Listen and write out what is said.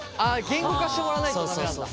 言語化してもらわないと駄目なんだ。